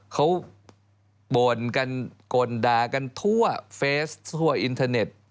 เขาบ่นกันโกนด่ากันทั่วเฟสทั่วอินเทอร์เน็ต